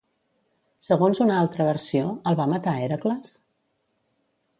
Segons una altra versió, el va matar Hèracles?